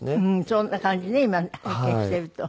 そんな感じね今拝見してると。